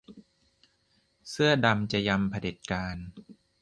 เสื้อดำจะยำเผด็จการ